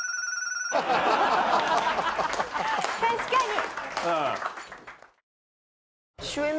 確かに。